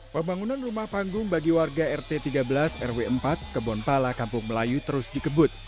pembangunan rumah panggung bagi warga rt tiga belas rw empat kebonpala kampung melayu terus dikebut